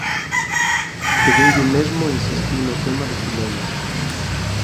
Pedinlle o mesmo e insistiu no tema do filólogo.